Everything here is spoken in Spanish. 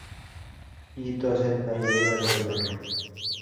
Ittō acepta, y logra derrotarlo.